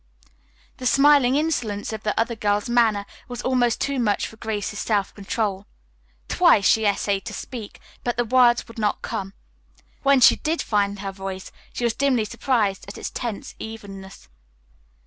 The smiling insolence of the other girl's manner was almost too much for Grace's self control. Twice she essayed to speak, but the words would not come. When she did find her voice she was dimly surprised at its tense evenness.